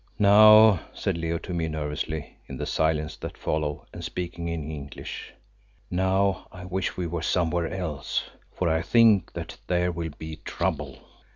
"Now," said Leo to me nervously in the silence that followed, and speaking in English, "now I wish we were somewhere else, for I think that there will be trouble."